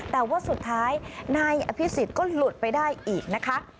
แต่ว่าสุดท้ายนายอภิษฎก็หลุดไปได้อีกนะคะ